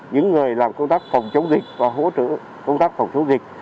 những người làm công tác phòng chống dịch và hỗ trợ công tác phòng chống dịch